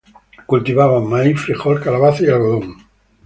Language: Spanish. Cultivaban maíz, frijol, calabaza y algodón.